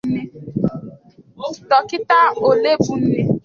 Dọkịta Olebunne